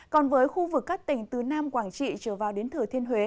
còn với khu vực các tỉnh từ nam quảng trị trở vào đến thừa thiên huế